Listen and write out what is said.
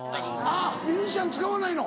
あっミュージシャン使わないの？